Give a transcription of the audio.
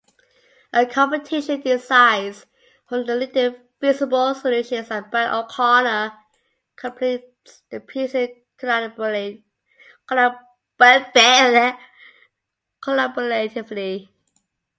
A competition decides from the leading feasible solutions and Byron-O'Connor completes the pieces collaboratively.